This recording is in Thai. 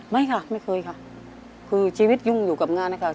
ไม่ค่ะไม่เคยค่ะคือชีวิตยุ่งอยู่กับงานนะคะ